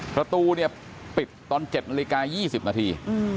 ประตูปิดตอน๗นาฬิกา๒๐นาที